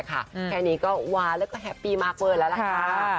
แค่นี้ก็ว่าและแฮปปี้มากเบิ้ลแล้ว